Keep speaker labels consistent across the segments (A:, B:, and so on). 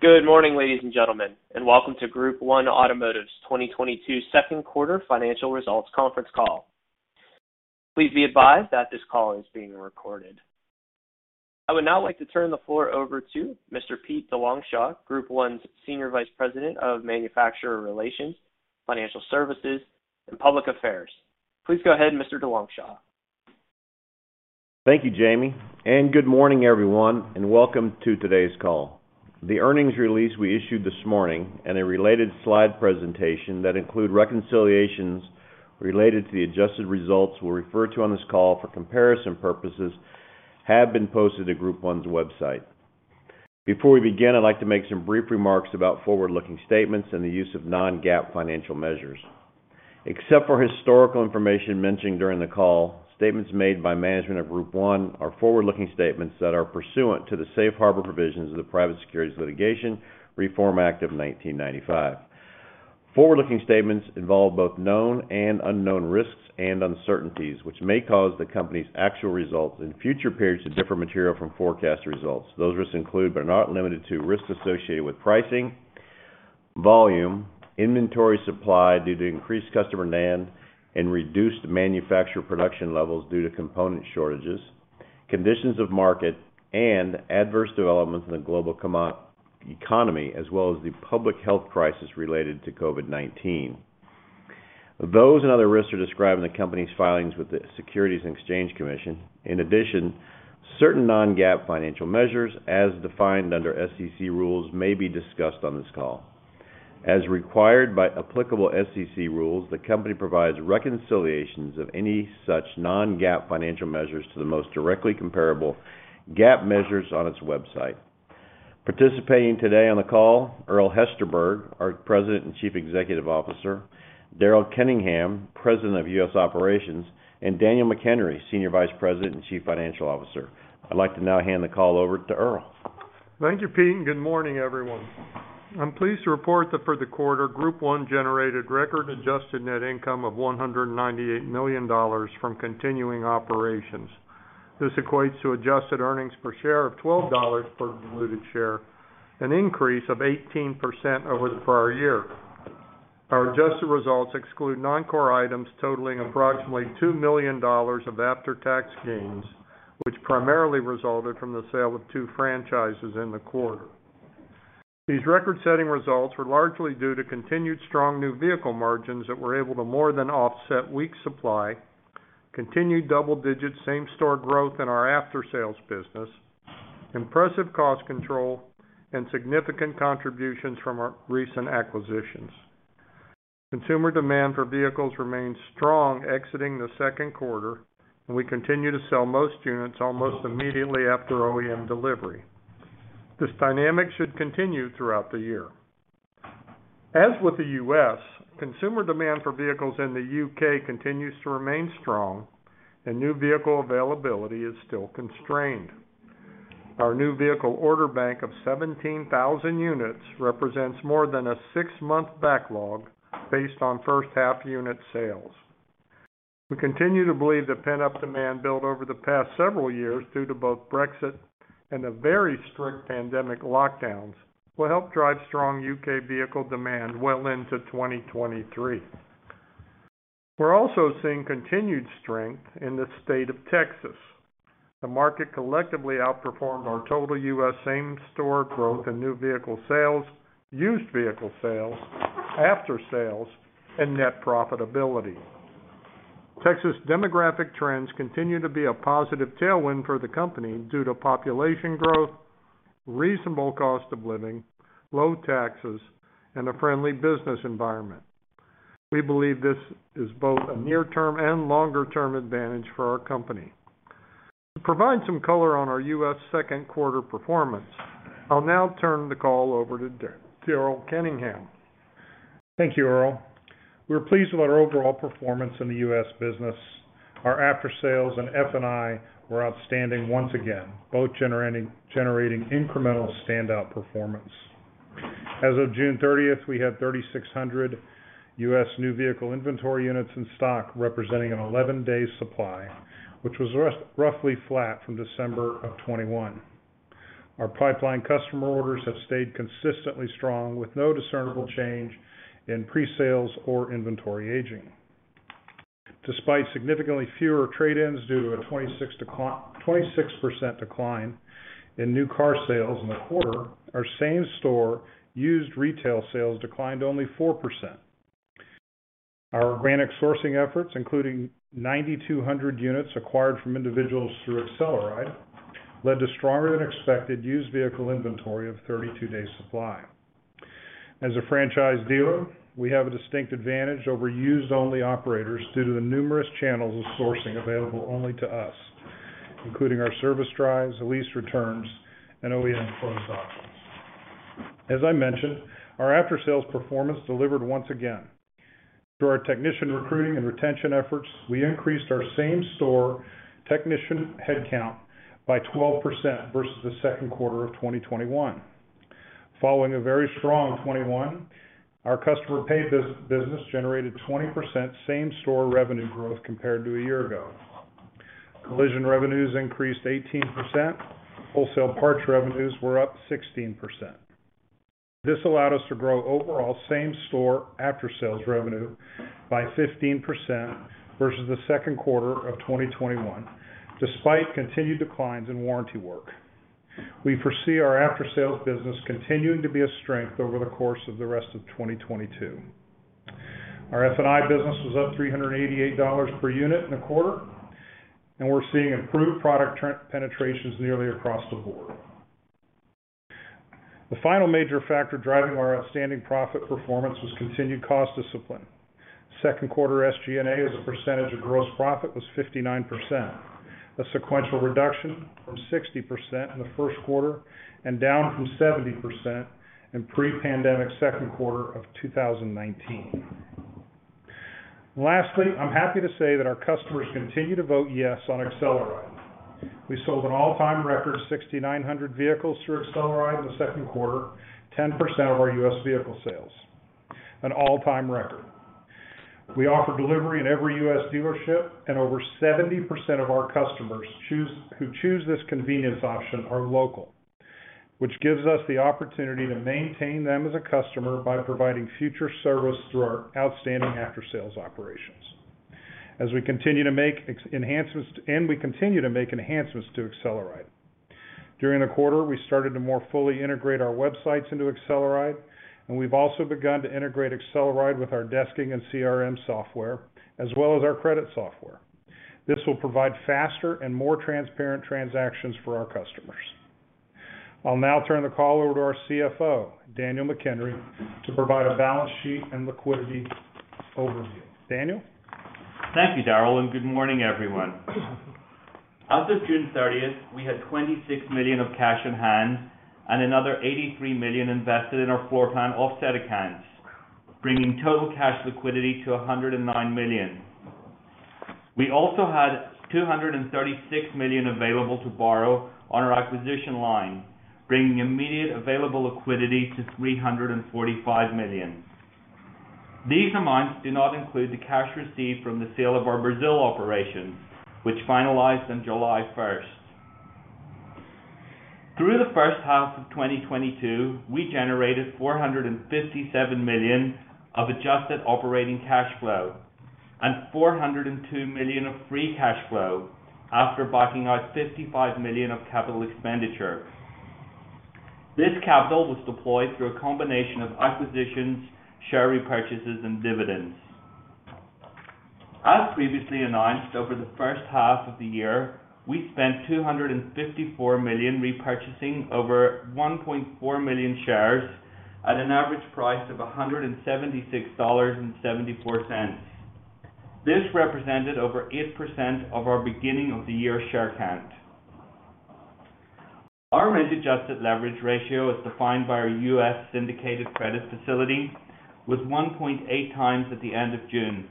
A: Good morning, ladies and gentlemen, and welcome to Group 1 Automotive's 2022 second quarter financial results conference call. Please be advised that this call is being recorded. I would now like to turn the floor over to Mr. Pete DeLongchamps, Group 1's Senior Vice President of Manufacturer Relations, Financial Services, and Public Affairs. Please go ahead, Mr. DeLongchamps.
B: Thank you, Jamie, and good morning, everyone, and welcome to today's call. The earnings release we issued this morning and a related slide presentation that include reconciliations related to the adjusted results we'll refer to on this call for comparison purposes have been posted to Group 1's website. Before we begin, I'd like to make some brief remarks about forward-looking statements and the use of non-GAAP financial measures. Except for historical information mentioned during the call, statements made by management of Group 1 are forward-looking statements that are pursuant to the safe harbor provisions of the Private Securities Litigation Reform Act of 1995. Forward-looking statements involve both known and unknown risks and uncertainties, which may cause the company's actual results in future periods to differ materially from forecast results. Those risks include, but are not limited to, risks associated with pricing, volume, inventory supply due to increased customer demand and reduced manufacturer production levels due to component shortages, conditions of market and adverse developments in the global economy, as well as the public health crisis related to COVID-19. Those and other risks are described in the company's filings with the Securities and Exchange Commission. In addition, certain non-GAAP financial measures as defined under SEC rules may be discussed on this call. As required by applicable SEC rules, the company provides reconciliations of any such non-GAAP financial measures to the most directly comparable GAAP measures on its website. Participating today on the call, Earl J. Hesterberg, our President and Chief Executive Officer, Daryl Kenningham, President of U.S. Operations, and Daniel McHenry, Senior Vice President and Chief Financial Officer. I'd like to now hand the call over to Earl.
C: Thank you, Pete, and good morning, everyone. I'm pleased to report that for the quarter, Group 1 generated record-adjusted net income of $198 million from continuing operations. This equates to adjusted earnings per share of $12 per diluted share, an increase of 18% over the prior year. Our adjusted results exclude non-core items totaling approximately $2 million of after-tax gains, which primarily resulted from the sale of two franchises in the quarter. These record-setting results were largely due to continued strong new vehicle margins that were able to more than offset weak supply, continued double-digit same-store growth in our after-sales business, impressive cost control, and significant contributions from our recent acquisitions. Consumer demand for vehicles remains strong exiting the second quarter, and we continue to sell most units almost immediately after OEM delivery. This dynamic should continue throughout the year. As with the U.S., consumer demand for vehicles in the U.K. continues to remain strong and new vehicle availability is still constrained. Our new vehicle order bank of 17,000 units represents more than a six-month backlog based on first half unit sales. We continue to believe that pent-up demand built over the past several years due to both Brexit and the very strict pandemic lockdowns will help drive strong U.K. vehicle demand well into 2023. We're also seeing continued strength in the state of Texas. The market collectively outperformed our total U.S. same-store growth in new vehicle sales, used vehicle sales, after sales, and net profitability. Texas demographic trends continue to be a positive tailwind for the company due to population growth, reasonable cost of living, low taxes, and a friendly business environment. We believe this is both a near-term and longer-term advantage for our company. To provide some color on our U.S. second quarter performance, I'll now turn the call over to Daryl Kenningham.
D: Thank you, Earl. We're pleased with our overall performance in the U.S. business. Our after sales and F&I were outstanding once again, both generating incremental standout performance. As of June 30, we had 3,600 US New Vehicle inventory units in stock, representing an 11-day supply, which was roughly flat from December of 2021. Our pipeline customer orders have stayed consistently strong with no discernible change in pre-sales or inventory aging. Despite significantly fewer trade-ins due to a 26% decline in new car sales in the quarter, our same-store used retail sales declined only 4%. Our organic sourcing efforts, including 9,200 units acquired from individuals through AcceleRide, led to stronger than expected used vehicle inventory of 32-day supply. As a franchise dealer, we have a distinct advantage over used-only operators due to the numerous channels of sourcing available only to us, including our service drives, lease returns, and OEM closeouts. As I mentioned, our after-sales performance delivered once again. Through our technician recruiting and retention efforts, we increased our same-store technician headcount by 12% versus the second quarter of 2021. Following a very strong 2021, our customer paid business generated 20% same-store revenue growth compared to a year ago. Collision revenues increased 18%. Wholesale parts revenues were up 16%. This allowed us to grow overall same-store after sales revenue by 15% versus the second quarter of 2021, despite continued declines in warranty work. We foresee our after-sales business continuing to be a strength over the course of the rest of 2022. Our F&I business was up $388 per unit in the quarter, and we're seeing improved product penetrations nearly across the board. The final major factor driving our outstanding profit performance was continued cost discipline. Second quarter SG&A as a percentage of gross profit was 59%, a sequential reduction from 60% in the first quarter and down from 70% in pre-pandemic second quarter of 2019. Lastly, I'm happy to say that our customers continue to vote yes on AcceleRide. We sold an all-time record 6,900 vehicles through AcceleRide in the second quarter, 10% of our U.S. vehicle sales, an all-time record. We offer delivery in every U.S. dealership, and over 70% of our customers who choose this convenience option are local, which gives us the opportunity to maintain them as a customer by providing future service through our outstanding after-sales operations. As we continue to make enhancements to AcceleRide. During the quarter, we started to more fully integrate our websites into AcceleRide, and we've also begun to integrate AcceleRide with our desking and CRM software, as well as our credit software. This will provide faster and more transparent transactions for our customers. I'll now turn the call over to our CFO, Daniel McHenry, to provide a balance sheet and liquidity overview. Daniel?
E: Thank you, Daryl, and good morning, everyone. As of June 30, we had $26 million of cash on hand and another $83 million invested in our floor plan offset accounts, bringing total cash liquidity to $109 million. We also had $236 million available to borrow on our acquisition line, bringing immediate available liquidity to $345 million. These amounts do not include the cash received from the sale of our Brazil operations, which finalized on July 1. Through the first half of 2022, we generated $457 million of adjusted operating cash flow and $402 million of free cash flow after backing out $55 million of capital expenditure. This capital was deployed through a combination of acquisitions, share repurchases, and dividends. As previously announced, over the first half of the year, we spent $254 million repurchasing over 1.4 million shares at an average price of $176.74. This represented over 8% of our beginning of the year share count. Our risk-adjusted leverage ratio, as defined by our U.S. syndicated credit facility, was 1.8 times at the end of June.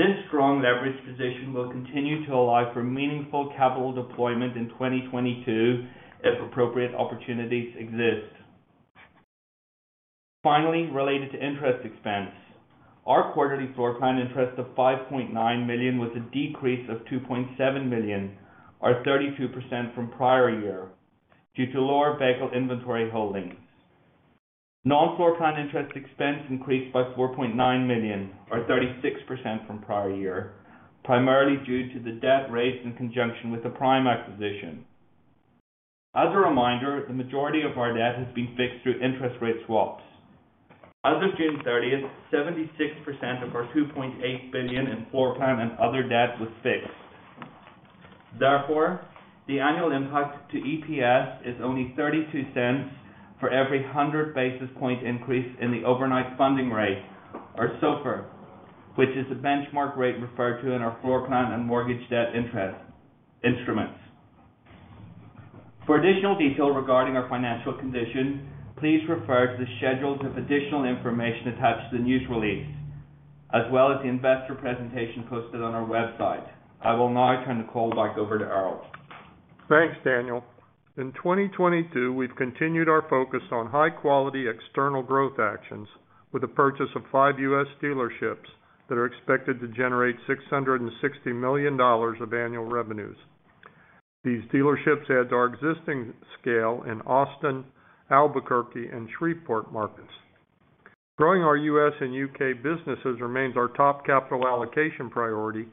E: This strong leverage position will continue to allow for meaningful capital deployment in 2022 if appropriate opportunities exist. Finally, related to interest expense, our quarterly floor plan interest of $5.9 million was a decrease of $2.7 million, or 32% from prior year due to lower vehicle inventory holdings. Non-floor plan interest expense increased by $4.9 million or 36% from prior year, primarily due to the debt raised in conjunction with the Prime acquisition. As a reminder, the majority of our debt has been fixed through interest rate swaps. As of June 30, 76% of our $2.8 billion in floor plan and other debt was fixed. Therefore, the annual impact to EPS is only $0.32 for every 100 basis point increase in the overnight funding rate, or SOFR, which is the benchmark rate referred to in our floor plan and mortgage debt interest instruments. For additional detail regarding our financial condition, please refer to the schedules of additional information attached to the news release, as well as the investor presentation posted on our website. I will now turn the call back over to Daryl.
D: Thanks, Daniel. In 2022, we've continued our focus on high-quality external growth actions with the purchase of five U.S. dealerships that are expected to generate $660 million of annual revenues. These dealerships add to our existing scale in Austin, Albuquerque, and Shreveport markets. Growing our U.S. and U.K. businesses remains our top capital allocation priority,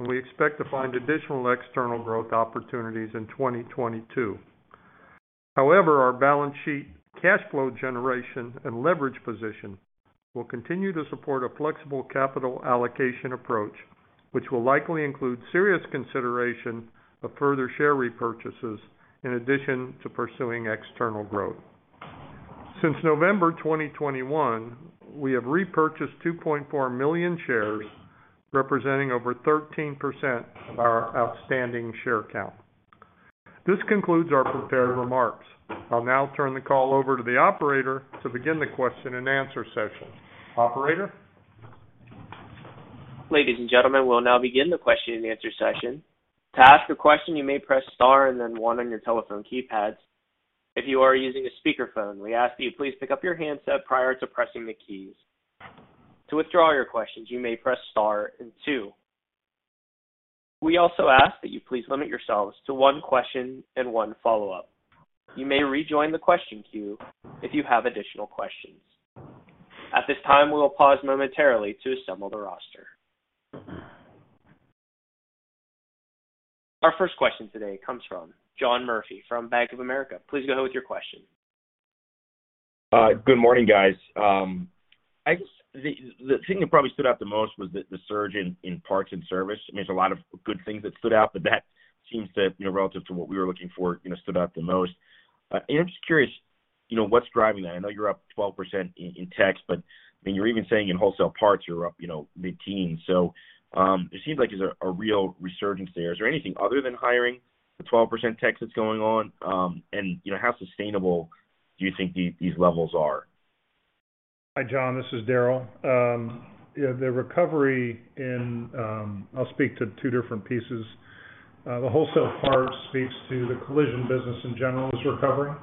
D: and we expect to find additional external growth opportunities in 2022. However, our balance sheet, cash flow generation, and leverage position will continue to support a flexible capital allocation approach, which will likely include serious consideration of further share repurchases in addition to pursuing external growth. Since November 2021, we have repurchased 2.4 million shares, representing over 13% of our outstanding share count. This concludes our prepared remarks. I'll now turn the call over to the operator to begin the question and answer session. Operator?
A: Ladies and gentlemen, we'll now begin the question and answer session. To ask a question, you may press star and then one on your telephone keypads. If you are using a speakerphone, we ask that you please pick up your handset prior to pressing the keys. To withdraw your questions, you may press star and two. We also ask that you please limit yourselves to one question and one follow-up. You may rejoin the question queue if you have additional questions. At this time, we will pause momentarily to assemble the roster. Our first question today comes from John Murphy from Bank of America. Please go ahead with your question.
F: Good morning, guys. I guess the thing that probably stood out the most was the surge in parts and service. I mean, there's a lot of good things that stood out, but that seems to, you know, relative to what we were looking for, you know, stood out the most. I'm just curious, you know, what's driving that? I know you're up 12% in techs, but I mean, you're even saying in wholesale parts you're up, you know, mid-teens. It seems like there's a real resurgence there. Is there anything other than hiring, the 12% techs that's going on? You know, how sustainable do you think these levels are?
D: Hi, John, this is Daryl. You know, the recovery in. I'll speak to two different pieces. The wholesale part speaks to the collision business in general is recovering.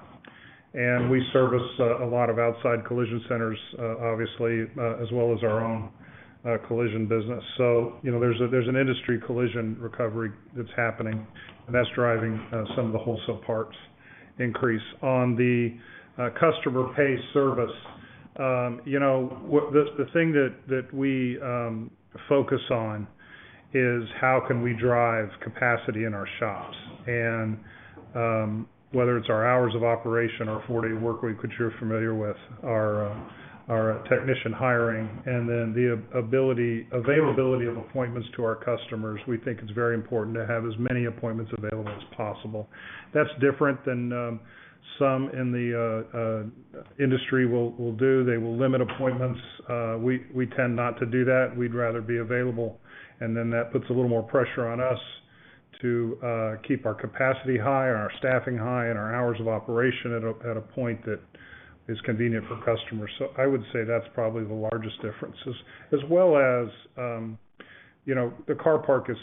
D: We service a lot of outside collision centers, obviously, as well as our own collision business. You know, there's an industry collision recovery that's happening, and that's driving some of the wholesale parts increase. On the customer pay service, you know, the thing that we focus on is how can we drive capacity in our shops. Whether it's our hours of operation, our four-day workweek, which you're familiar with, our technician hiring, and then the availability of appointments to our customers. We think it's very important to have as many appointments available as possible. That's different than some in the industry will do. They will limit appointments. We tend not to do that. We'd rather be available, and then that puts a little more pressure on us to keep our capacity high and our staffing high and our hours of operation at a point that is convenient for customers. I would say that's probably the largest difference. As well as, you know, the car park is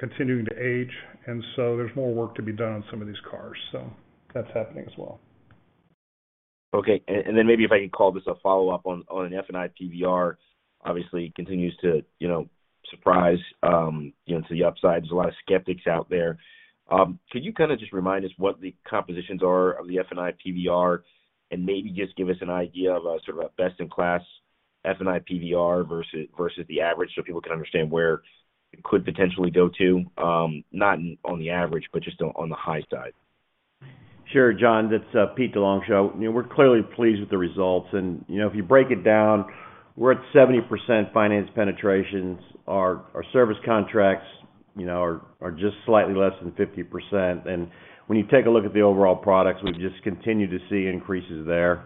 D: continuing to age, and so there's more work to be done on some of these cars. That's happening as well.
F: Okay. Then maybe if I could call this a follow-up on F&I PVR, obviously continues to, you know, surprise, you know, to the upside. There's a lot of skeptics out there. Could you kinda just remind us what the compositions are of the F&I PVR and maybe just give us an idea of, sort of a best in class F&I PVR versus the average so people can understand where it could potentially go to, not on the average, but just on the high side?
B: Sure, John, that's Pete DeLongchamps here. You know, we're clearly pleased with the results. You know, if you break it down, we're at 70% finance penetrations. Our service contracts, you know, are just slightly less than 50%. When you take a look at the overall products, we just continue to see increases there.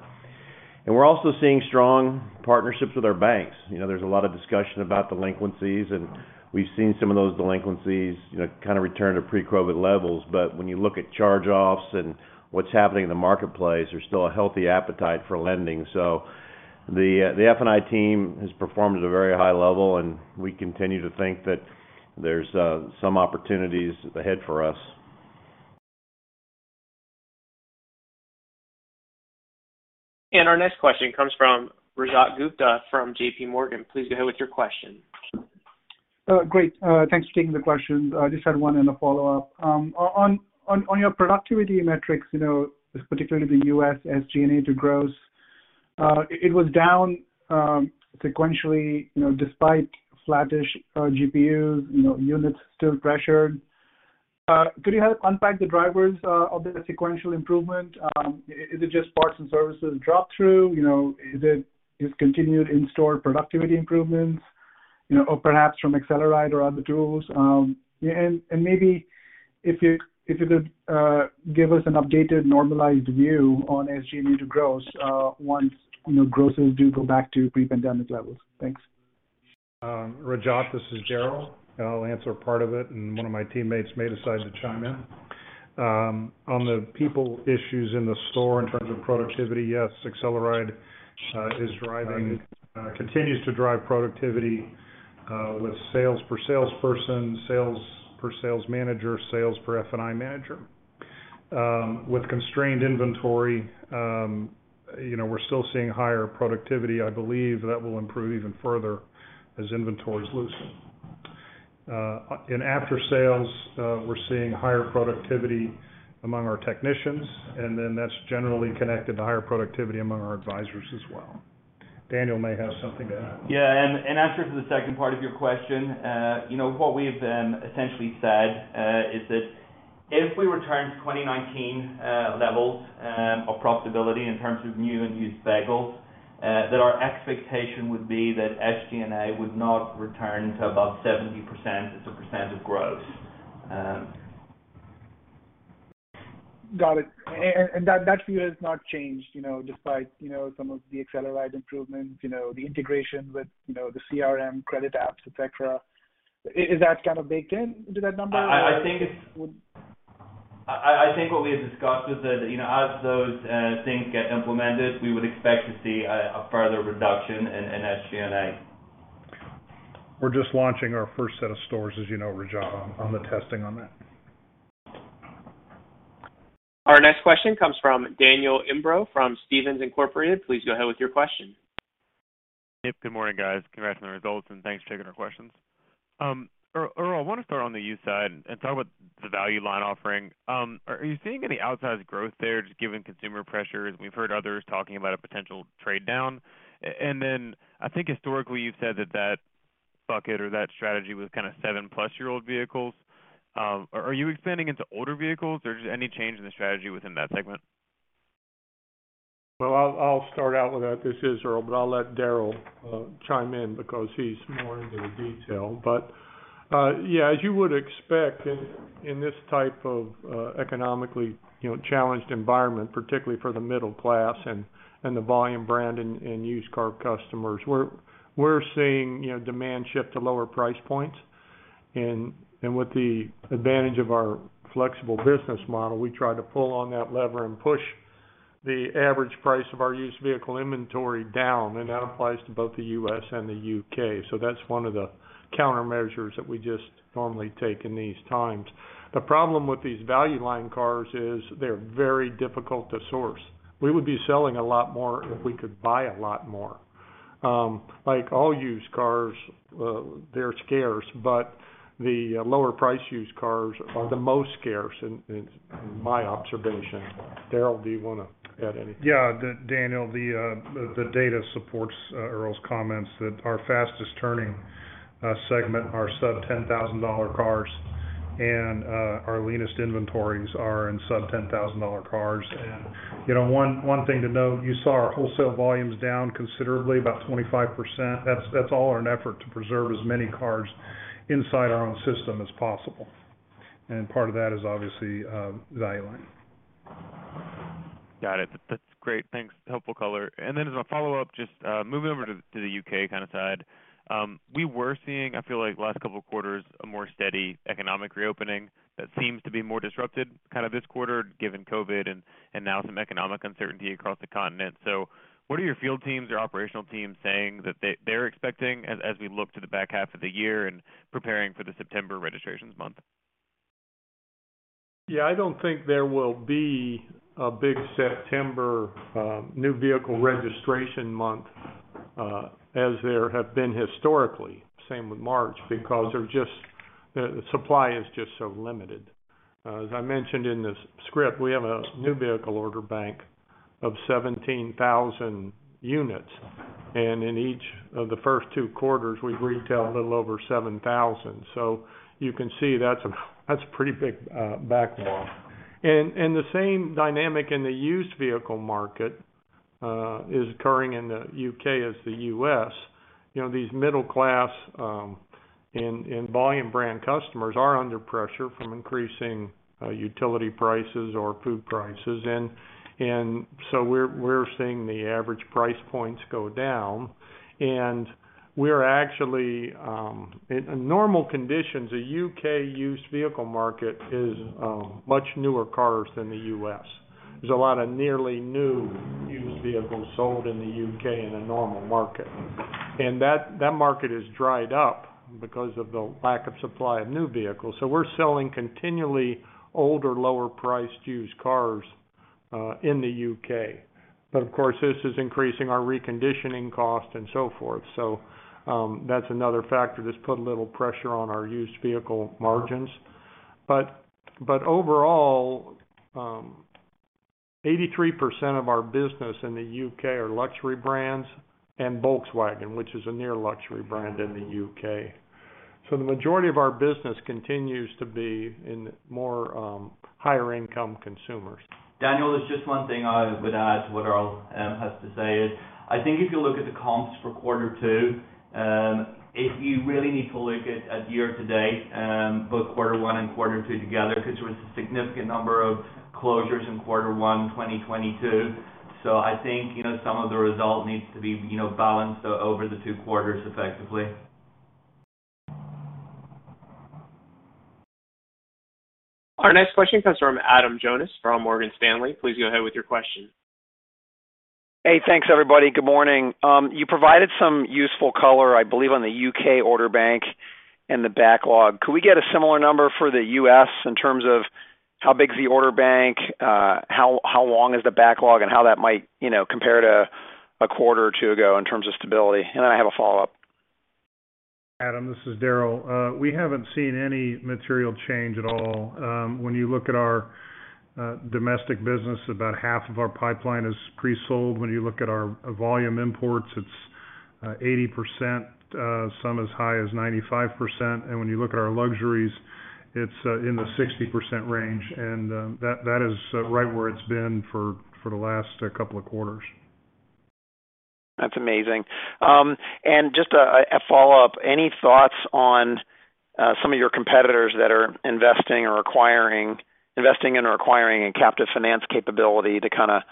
B: We're also seeing strong partnerships with our banks. You know, there's a lot of discussion about delinquencies, and we've seen some of those delinquencies, you know, kinda return to pre-COVID levels. But when you look at charge-offs and what's happening in the marketplace, there's still a healthy appetite for lending. So the F&I team has performed at a very high level, and we continue to think that there's some opportunities ahead for us.
A: Our next question comes from Rajat Gupta from JPMorgan. Please go ahead with your question.
G: Great. Thanks for taking the question. I just had one and a follow-up. On your productivity metrics, you know, particularly the U.S. SG&A to gross, it was down sequentially, you know, despite flattish GPUs, you know, units still pressured. Could you help unpack the drivers of the sequential improvement? Is it just parts and services drop through? You know, is it just continued in-store productivity improvements, you know, or perhaps from AcceleRide or other tools? Maybe if you could give us an updated normalized view on SG&A to gross, once you know, grosses do go back to pre-pandemic levels. Thanks.
D: Rajat, this is Daryl. I'll answer part of it, and one of my teammates may decide to chime in. On the people issues in the store in terms of productivity, yes, AcceleRide is driving, continues to drive productivity with sales per salesperson, sales per sales manager, sales per F&I manager. With constrained inventory, you know, we're still seeing higher productivity. I believe that will improve even further as inventories loosen. In after sales, we're seeing higher productivity among our technicians, and then that's generally connected to higher productivity among our advisors as well. Daniel may have something to add.
E: Yeah. Answer to the second part of your question. You know, what we have then essentially said is that if we return to 2019 levels of profitability in terms of new and used vehicles, that our expectation would be that SG&A would not return to about 70% as a percent of gross.
G: Got it. That view has not changed, you know, despite, you know, some of the AcceleRide improvements, you know, the integration with, you know, the CRM credit apps, et cetera. Is that kind of baked into that number or would-
E: I think what we had discussed is that, you know, as those things get implemented, we would expect to see a further reduction in SG&A.
D: We're just launching our first set of stores, as you know, Rajat, on the testing on that.
A: Our next question comes from Daniel Imbro from Stephens Inc. Please go ahead with your question.
H: Yep. Good morning, guys. Congrats on the results and thanks for taking our questions. Earl, I want to start on the used side and talk about the Val-U-Line offering. Are you seeing any outsized growth there just given consumer pressures? We've heard others talking about a potential trade-down. And then I think historically you've said that bucket or that strategy was kind of seven-plus-year-old vehicles. Are you expanding into older vehicles or just any change in the strategy within that segment?
C: Well, I'll start out with that. This is Earl, but I'll let Daryl chime in because he's more into the detail. Yeah, as you would expect in this type of economically, you know, challenged environment, particularly for the middle class and the volume brand and used car customers, we're seeing, you know, demand shift to lower price points. With the advantage of our flexible business model, we try to pull on that lever and push the average price of our used vehicle inventory down, and that applies to both the U.S. and the U.K. That's one of the countermeasures that we just normally take in these times. The problem with these Val-U-Line cars is they're very difficult to source. We would be selling a lot more if we could buy a lot more. Like all used cars, they're scarce, but the lower price used cars are the most scarce in my observation. Daryl, do you wanna add anything?
D: Yeah, Daniel, the data supports Earl's comments that our fastest turning segment are sub-$10,000 cars and our leanest inventories are in sub-$10,000 cars. You know, one thing to note, you saw our wholesale volumes down considerably, about 25%. That's all in an effort to preserve as many cars inside our own system as possible. Part of that is obviously Val-U-Line.
H: Got it. That's great. Thanks. Helpful color. As a follow-up, just moving over to the U.K. kind of side. We were seeing, I feel like last couple of quarters, a more steady economic reopening that seems to be more disrupted kind of this quarter given COVID and now some economic uncertainty across the continent. What are your field teams or operational teams saying that they're expecting as we look to the back half of the year and preparing for the September registrations month?
C: Yeah, I don't think there will be a big September new vehicle registration month as there have been historically, same with March, because supply is just so limited. As I mentioned in the script, we have a new vehicle order bank of 17,000 units, and in each of the first two quarters, we've retailed a little over 7,000. So you can see that's a pretty big backlog. The same dynamic in the used vehicle market is occurring in the U.K. as the U.S. You know, these middle-class and volume brand customers are under pressure from increasing utility prices or food prices. We're seeing the average price points go down. We're actually, in normal conditions, a U.K. used vehicle market is much newer cars than the U.S. There's a lot of nearly new used vehicles sold in the U.K. in a normal market. That market has dried up because of the lack of supply of new vehicles. We're selling continually older, lower priced used cars in the U.K. Of course, this is increasing our reconditioning cost and so forth. That's another factor that's put a little pressure on our used vehicle margins. Overall, 83% of our business in the U.K. are luxury brands and Volkswagen, which is a near luxury brand in the U.K. The majority of our business continues to be in more higher income consumers.
E: Daniel, there's just one thing I would add to what Earl has to say is, I think if you look at the comps for quarter two, if you really need to look at year-to-date, both quarter one and quarter two together, 'cause there was a significant number of closures in quarter one, 2022. I think, you know, some of the result needs to be, you know, balanced over the two quarters effectively.
A: Our next question comes from Adam Jonas from Morgan Stanley. Please go ahead with your question.
I: Hey, thanks, everybody. Good morning. You provided some useful color, I believe, on the U.K. order bank and the backlog. Could we get a similar number for the U.S. in terms of how big is the order bank, how long is the backlog and how that might, you know, compare to a quarter or two ago in terms of stability? And then I have a follow-up.
D: Adam, this is Daryl. We haven't seen any material change at all. When you look at our domestic business, about half of our pipeline is pre-sold. When you look at our volume imports, it's 80%, some as high as 95%. When you look at our luxury, it's in the 60% range. That is right where it's been for the last couple of quarters.
I: That's amazing. Just a follow-up. Any thoughts on some of your competitors that are investing in or acquiring a captive finance capability to kinda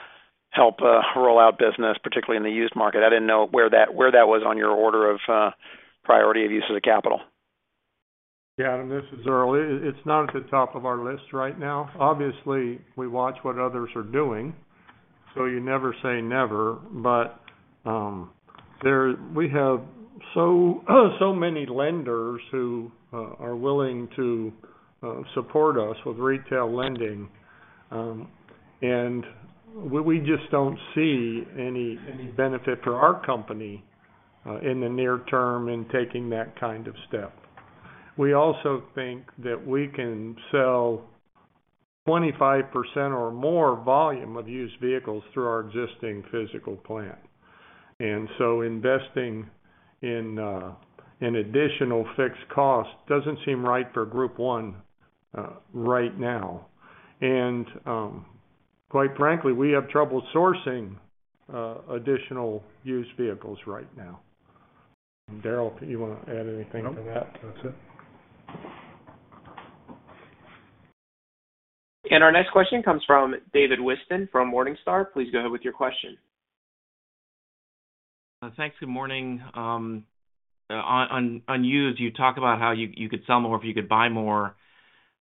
I: help roll out business, particularly in the used market? I didn't know where that was on your order of priority of use of the capital.
C: Yeah, Adam, this is Earl. It's not at the top of our list right now. Obviously, we watch what others are doing. You never say never. We have so many lenders who are willing to support us with retail lending. We just don't see any benefit for our company in the near term in taking that kind of step. We also think that we can sell 25% or more volume of used vehicles through our existing physical plant. Investing in an additional fixed cost doesn't seem right for Group 1 right now. Quite frankly, we have trouble sourcing additional used vehicles right now. Daryl, do you wanna add anything to that?
D: Nope. That's it.
A: Our next question comes from David Whiston from Morningstar. Please go ahead with your question.
J: Thanks. Good morning. On used, you talk about how you could sell more if you could buy more.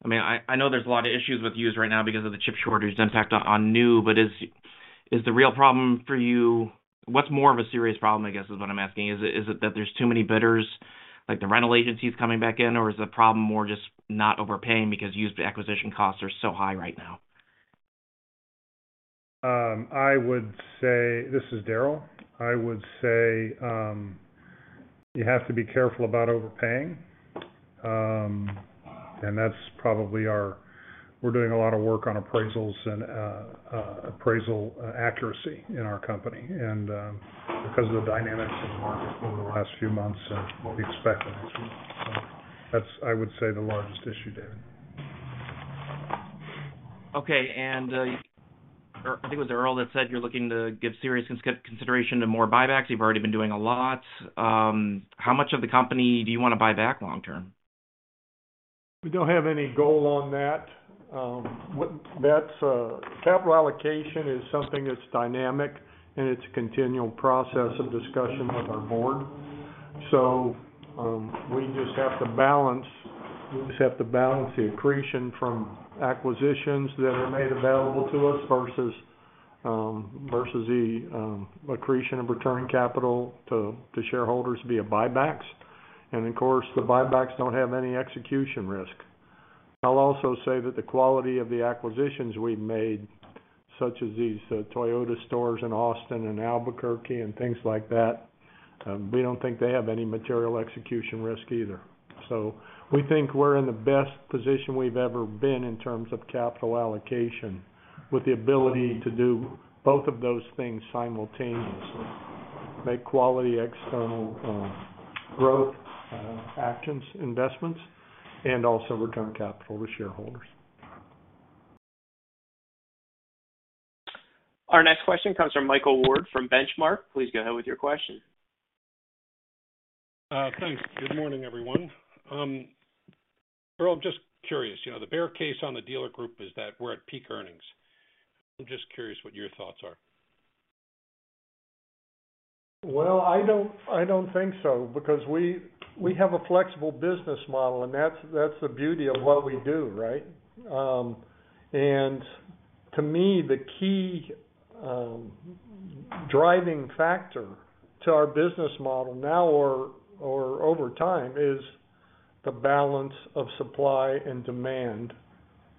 J: I mean, I know there's a lot of issues with used right now because of the chip shortage impact on new, but is the real problem for you? What's more of a serious problem, I guess, is what I'm asking. Is it that there's too many bidders, like the rental agencies coming back in? Or is the problem more just not overpaying because used acquisition costs are so high right now?
D: This is Daryl. I would say, you have to be careful about overpaying. That's probably. We're doing a lot of work on appraisals and appraisal accuracy in our company, and because of the dynamics in the market over the last few months and what we expect next month. That's, I would say, the largest issue, David.
J: Okay. I think it was Earl that said you're looking to give serious consideration to more buybacks. You've already been doing a lot. How much of the company do you wanna buy back long term?
C: We don't have any goal on that. Capital allocation is something that's dynamic, and it's a continual process of discussion with our board. We just have to balance the accretion from acquisitions that are made available to us versus the accretion of return capital to shareholders via buybacks. Of course, the buybacks don't have any execution risk. I'll also say that the quality of the acquisitions we've made, such as these Toyota stores in Austin and Albuquerque and things like that, we don't think they have any material execution risk either. We think we're in the best position we've ever been in terms of capital allocation, with the ability to do both of those things simultaneously, make quality external growth actions, investments, and also return capital to shareholders.
A: Our next question comes from Michael Ward from Benchmark. Please go ahead with your question.
K: Thanks. Good morning, everyone. Earl, I'm just curious. You know, the bear case on the dealer group is that we're at peak earnings. I'm just curious what your thoughts are.
C: Well, I don't think so, because we have a flexible business model, and that's the beauty of what we do, right? To me, the key driving factor to our business model now or over time is the balance of supply and demand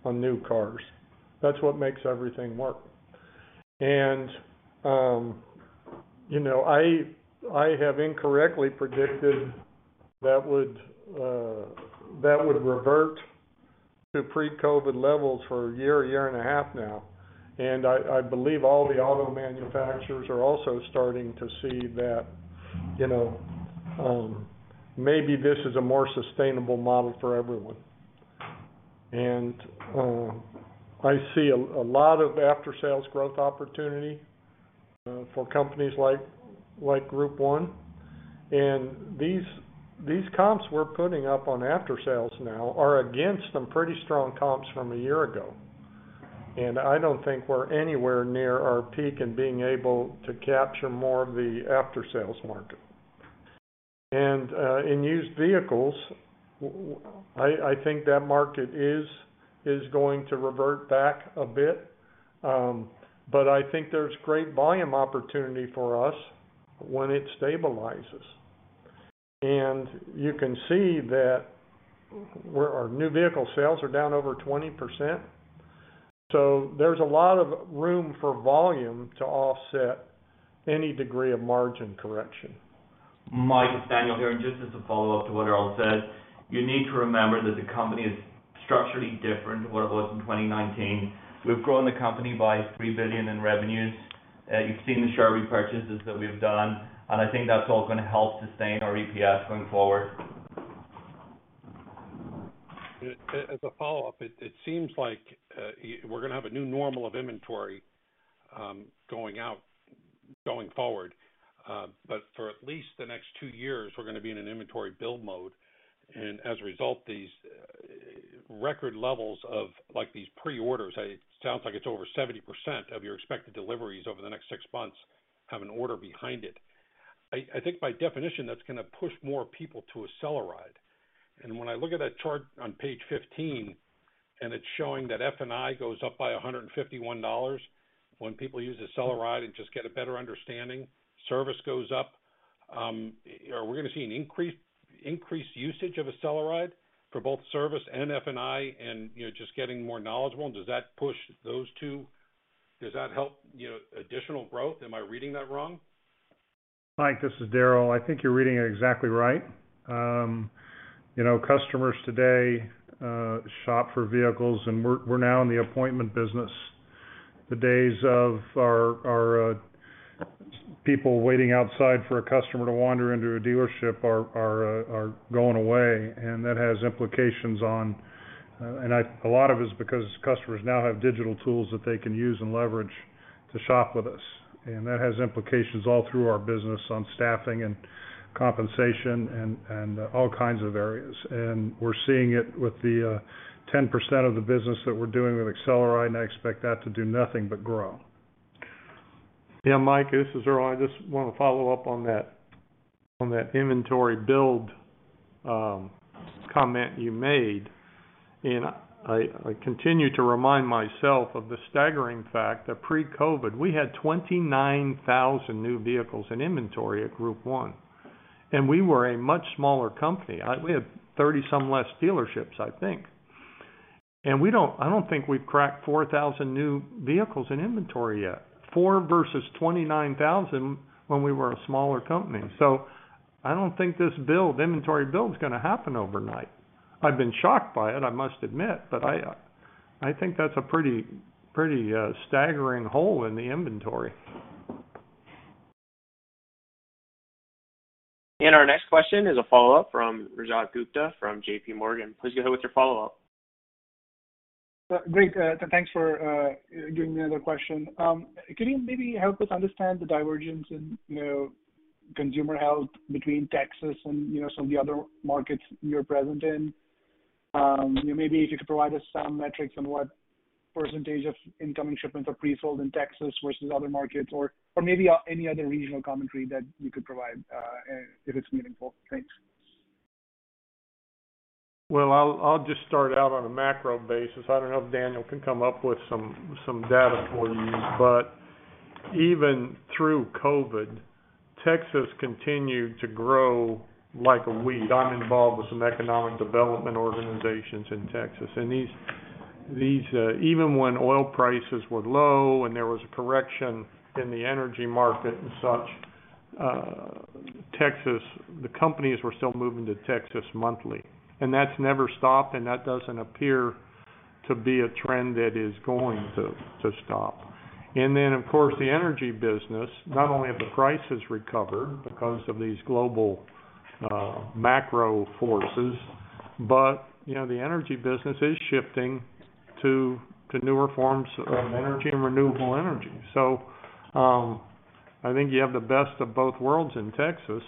C: on new cars. That's what makes everything work. You know, I have incorrectly predicted that would revert to pre-COVID levels for a year and a half now. I believe all the auto manufacturers are also starting to see that, you know, maybe this is a more sustainable model for everyone. I see a lot of after-sales growth opportunity for companies like Group 1. These comps we're putting up on after-sales now are against some pretty strong comps from a year ago. I don't think we're anywhere near our peak in being able to capture more of the after-sales market. In used vehicles, I think that market is going to revert back a bit. I think there's great volume opportunity for us when it stabilizes. You can see that our new vehicle sales are down over 20%, so there's a lot of room for volume to offset any degree of margin correction.
E: Mike, it's Daniel here. Just as a follow-up to what Earl said, you need to remember that the company is structurally different to what it was in 2019. We've grown the company by $3 billion in revenues. You've seen the share repurchases that we've done, and I think that's all gonna help sustain our EPS going forward.
K: As a follow-up, it seems like we're gonna have a new normal of inventory going out going forward. For at least the next two years, we're gonna be in an inventory build mode, and as a result, these record levels of, like, these pre-orders, it sounds like it's over 70% of your expected deliveries over the next six months have an order behind it. I think by definition, that's gonna push more people to AcceleRide. When I look at that chart on page 15, and it's showing that F&I goes up by $151 when people use the AcceleRide and just get a better understanding, service goes up, are we gonna see an increase, increased usage of AcceleRide for both service and F&I and, you know, just getting more knowledgeable? Does that push those two? Does that help, you know, additional growth? Am I reading that wrong?
D: Mike, this is Daryl. I think you're reading it exactly right. You know, customers today shop for vehicles, and we're now in the appointment business. The days of our people waiting outside for a customer to wander into a dealership are going away, and that has implications on. A lot of it's because customers now have digital tools that they can use and leverage to shop with us. That has implications all through our business on staffing and compensation and all kinds of areas. We're seeing it with the 10% of the business that we're doing with AcceleRide, and I expect that to do nothing but grow.
C: Yeah, Mike, this is Earl. I just wanna follow up on that inventory build comment you made. I continue to remind myself of the staggering fact that pre-COVID, we had 29,000 new vehicles in inventory at Group 1, and we were a much smaller company. We had thirty-some less dealerships, I think. I don't think we've cracked 4,000 new vehicles in inventory yet. 4,000 versus 29,000 when we were a smaller company. I don't think this build, inventory build, is gonna happen overnight. I've been shocked by it, I must admit. I think that's a pretty staggering hole in the inventory.
A: Our next question is a follow-up from Rajat Gupta from JPMorgan. Please go ahead with your follow-up.
G: Great. Thanks for giving me another question. Can you maybe help us understand the divergence in, you know, consumer health between Texas and, you know, some of the other markets you're present in? Maybe if you could provide us some metrics on what percentage of incoming shipments are presold in Texas versus other markets or maybe any other regional commentary that you could provide, if it's meaningful. Thanks.
C: Well, I'll just start out on a macro basis. I don't know if Daniel can come up with some data for you. Even through COVID, Texas continued to grow like a weed. I'm involved with some economic development organizations in Texas. Even when oil prices were low and there was a correction in the energy market and such, Texas, the companies were still moving to Texas monthly. That's never stopped, and that doesn't appear to be a trend that is going to stop. Then, of course, the energy business, not only have the prices recovered because of these global macro forces, but, you know, the energy business is shifting to newer forms of energy and renewable energy. So, I think you have the best of both worlds in Texas.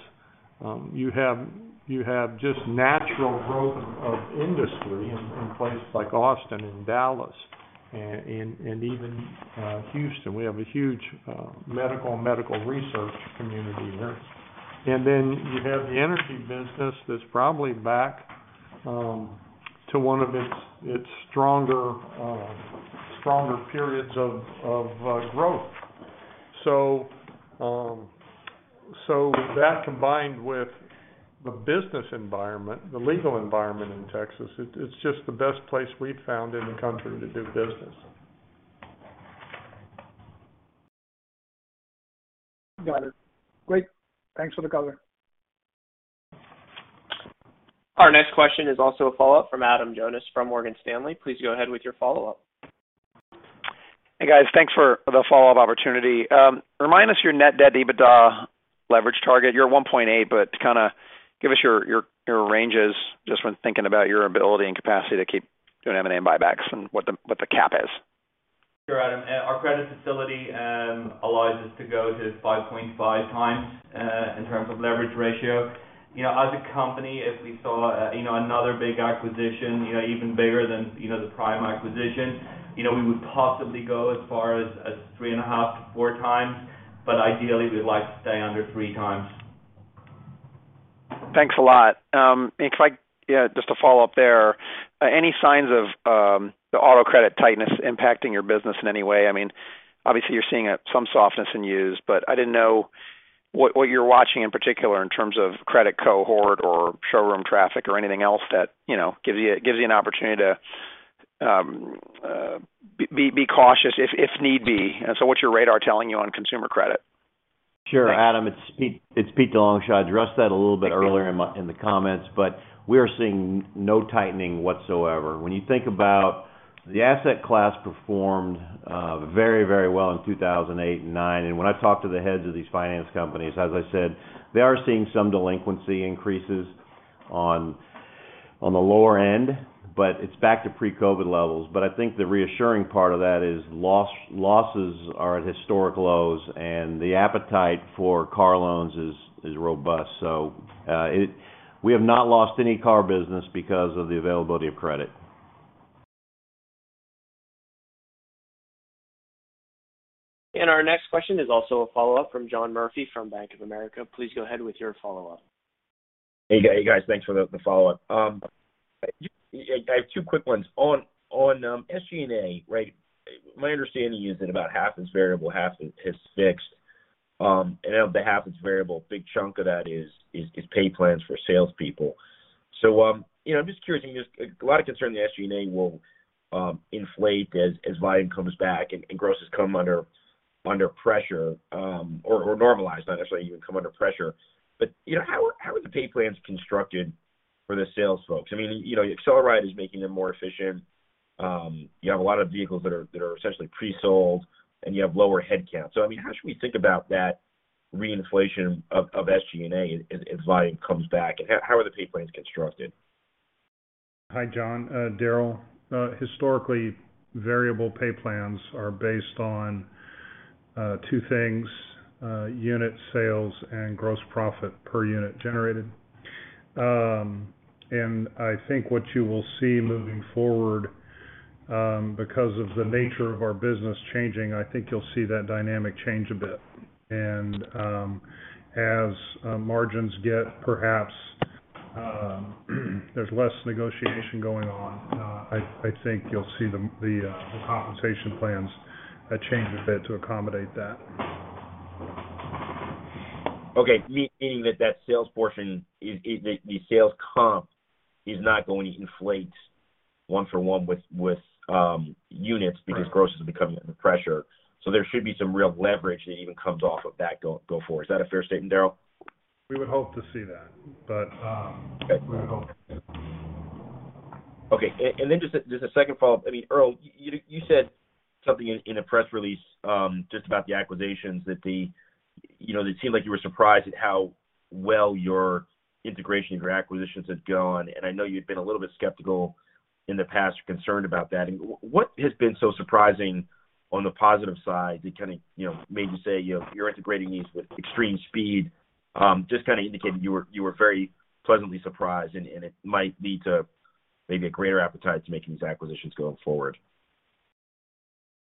C: You have just natural growth of industry in places like Austin and Dallas, and even Houston. We have a huge medical research community here. Then you have the energy business that's probably back to one of its stronger periods of growth. That combined with the business environment, the legal environment in Texas, it's just the best place we've found in the country to do business.
G: Got it. Great. Thanks for the color.
A: Our next question is also a follow-up from Adam Jonas from Morgan Stanley. Please go ahead with your follow-up.
I: Hey, guys. Thanks for the follow-up opportunity. Remind us your net debt EBITDA leverage target. You're at 1.8, but kinda give us your ranges just when thinking about your ability and capacity to keep doing M&A buybacks and what the cap is.
E: Sure, Adam. Our credit facility allows us to go to 5.5x in terms of leverage ratio. You know, as a company, if we saw, you know, another big acquisition, you know, even bigger than, you know, the Prime acquisition, you know, we would possibly go as far as 3.5x-4x, but ideally, we'd like to stay under 3x.
I: Thanks a lot. Just to follow up there, any signs of the auto credit tightness impacting your business in any way? I mean, obviously you're seeing some softness in used, but I didn't know what you're watching in particular in terms of credit cohort or showroom traffic or anything else that, you know, gives you an opportunity to be cautious if need be. What's your radar telling you on consumer credit?
B: Sure, Adam. It's Pete DeLongchamps. I addressed that a little bit earlier in my-
I: Thank you.
B: In the comments, but we are seeing no tightening whatsoever. When you think about the asset class performed, very, very well in 2008 and 2009. When I've talked to the heads of these finance companies, as I said, they are seeing some delinquency increases on the lower end, but it's back to pre-COVID levels. I think the reassuring part of that is losses are at historic lows, and the appetite for car loans is robust. We have not lost any car business because of the availability of credit.
A: Our next question is also a follow-up from John Murphy from Bank of America. Please go ahead with your follow-up.
F: Hey, guys. Thanks for the follow-up. I have two quick ones. On SG&A, right? My understanding is that about half is variable, half is fixed. Of the half that's variable, a big chunk of that is pay plans for salespeople. You know, I'm just curious. I mean, there's a lot of concern the SG&A will inflate as volume comes back and grosses come under pressure or normalize, not necessarily even come under pressure. You know, how are the pay plans constructed for the sales folks? I mean, you know, your AcceleRide is making them more efficient. You have a lot of vehicles that are essentially pre-sold and you have lower headcount. I mean, how should we think about that reinflation of SG&A as volume comes back? How are the pay plans constructed?
C: Hi, John. Daryl. Historically, variable pay plans are based on two things, unit sales and gross profit per unit generated. I think what you will see moving forward, because of the nature of our business changing, I think you'll see that dynamic change a bit. As margins get perhaps, there's less negotiation going on, I think you'll see the compensation plans change a bit to accommodate that.
F: Okay. Meaning that the sales portion is, the sales comp is not going to inflate one for one with units.
C: Right.
F: Because grosses are becoming under pressure. There should be some real leverage that even comes off of that going forward. Is that a fair statement, Daryl?
C: We would hope to see that.
F: Okay.
C: We would hope.
F: Okay. Then just a second follow-up. I mean, Earl, you said something in the press release just about the acquisitions that, you know, it seemed like you were surprised at how well your integration of your acquisitions had gone. I know you'd been a little bit skeptical in the past or concerned about that. What has been so surprising on the positive side that kinda, you know, made you say, you know, you're integrating these with extreme speed? Just kinda indicating you were very pleasantly surprised and it might lead to maybe a greater appetite to making these acquisitions going forward.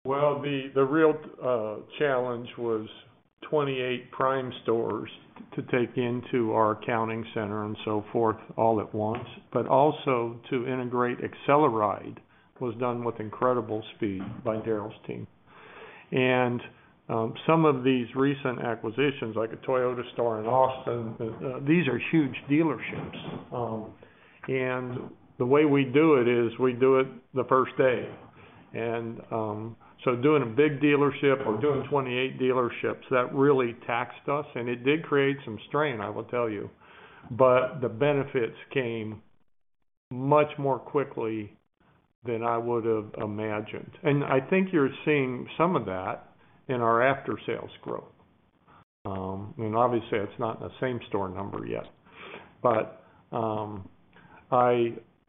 C: Well, the real challenge was 28 Prime stores to take into our accounting center and so forth all at once, but also to integrate AcceleRide was done with incredible speed by Daryl's team. Some of these recent acquisitions, like a Toyota store in Austin, these are huge dealerships. The way we do it is we do it the first day. Doing a big dealership or doing 28 dealerships, that really taxed us and it did create some strain, I will tell you. The benefits came much more quickly than I would've imagined. I think you're seeing some of that in our after-sales growth. Obviously that's not in the same store number yet.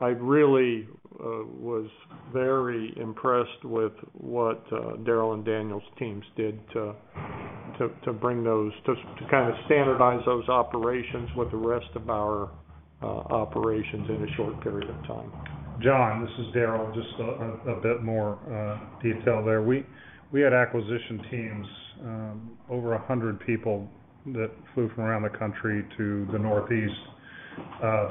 C: I really was very impressed with what Daryl and Daniel's teams did to bring those to kinda standardize those operations with the rest of our operations in a short period of time.
D: John, this is Daryl. Just a bit more detail there. We had acquisition teams over 100 people that flew from around the country to the Northeast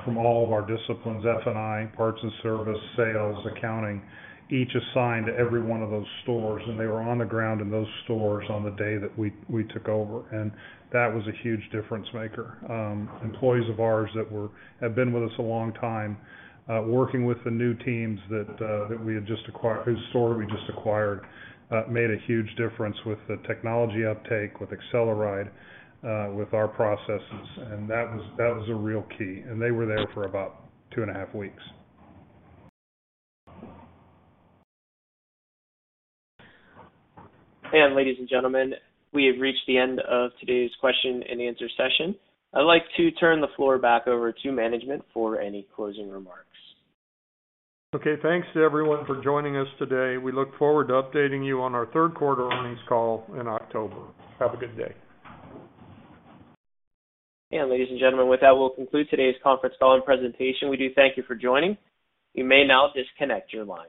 D: from all of our disciplines, F&I, parts and service, sales, accounting, each assigned to every one of those stores, and they were on the ground in those stores on the day that we took over. That was a huge difference maker. Employees of ours that have been with us a long time working with the new teams whose stores we just acquired made a huge difference with the technology uptake with AcceleRide with our processes, and that was a real key. They were there for about 2.5 weeks.
A: Ladies and gentlemen, we have reached the end of today's question and answer session. I'd like to turn the floor back over to management for any closing remarks.
C: Okay. Thanks to everyone for joining us today. We look forward to updating you on our third quarter earnings call in October. Have a good day.
A: Ladies and gentlemen, with that, we'll conclude today's conference call and presentation. We do thank you for joining. You may now disconnect your line.